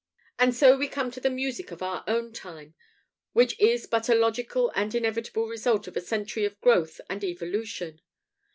And so we come to the music of our own time, which is but a logical and inevitable result of a century of growth and evolution.